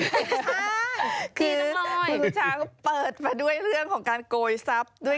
คุณช้างคือคุณช้างเปิดมาด้วยเรื่องของการโกยทรัพย์